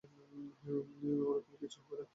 ওরকম কিচ্ছু হবে না।